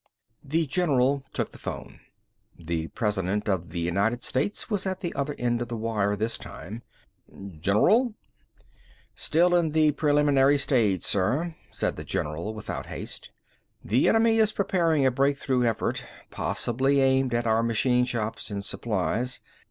The general took the phone. The President of the United States was at the other end of the wire, this time. "General?" "Still in a preliminary stage, sir," said the general, without haste. "The enemy is preparing a break through effort, possibly aimed at our machine shops and supplies.